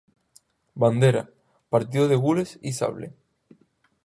Bandera: Partido de gules y sable.